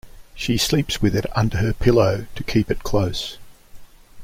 She sleeps with it under her pillow to keep it close.